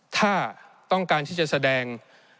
ถ้าต้องการที่จะแสดง